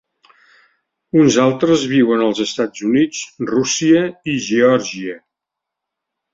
Uns altres viuen als Estats Units, Rússia i Geòrgia.